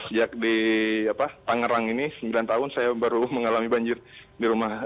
sejak di tangerang ini sembilan tahun saya baru mengalami banjir di rumah